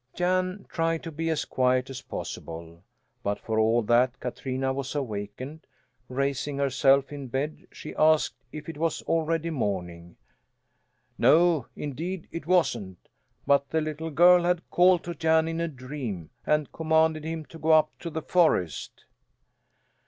Jan tried to be as quiet as possible, but for all that Katrina was awakened; raising herself in bed she asked if it was already morning. No, indeed it wasn't, but the little girl had called to Jan in a dream, and commanded him to go up to the forest.